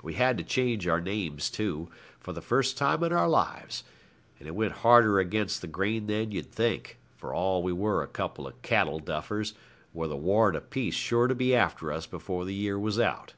We had to change our names, too, for the first time in our lives; and it went harder against the grain than you'd think, for all we were a couple of cattle duffers, with a warrant apiece sure to be after us before the year was out.